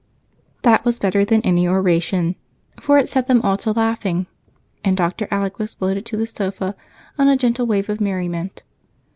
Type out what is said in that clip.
That was better than any oration, for it set them all to laughing, and Dr. Alec was floated to the sofa on a gentle wave of merriment.